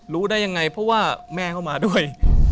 รู้ได้ยังไงเพราะว่าแม่เขามาด้วย